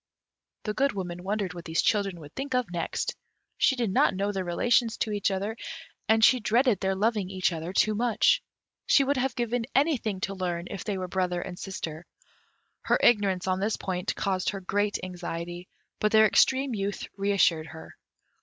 The Good Woman wondered what these children would think of next; she did not know their relation to each other, and she dreaded their loving each other too much. She would have given anything to learn if they were brother and sister; her ignorance on this point caused her great anxiety, but their extreme youth re assured her.